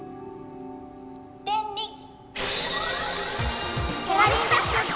デンリキ！